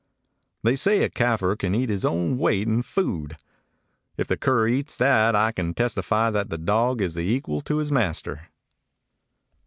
"They say a Kafir can eat his own weight in food. If the cur eats that I can testify that the dog is the equal to his master."